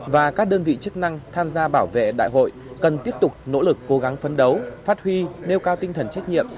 và các đơn vị chức năng tham gia bảo vệ đại hội cần tiếp tục nỗ lực cố gắng phấn đấu phát huy nêu cao tinh thần trách nhiệm